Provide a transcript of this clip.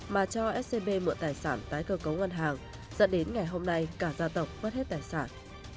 mà cho scb mượn tài sản tái cơ cấu ngân hàng dẫn đến ngày hôm nay cả gia tộc mất hết tài sản